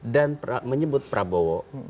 dan menyebut prabowo